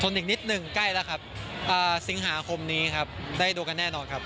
อีกนิดหนึ่งใกล้แล้วครับสิงหาคมนี้ครับได้ดูกันแน่นอนครับ